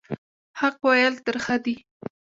حق ویل ترخه دي